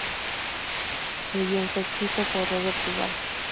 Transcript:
El guion fue escrito por Robert Duvall.